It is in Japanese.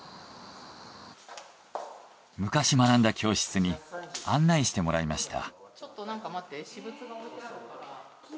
昔学んだ教室に案内してもらいました。